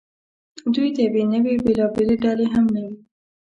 دوی د یوې نوعې بېلابېلې ډلې هم نه وې.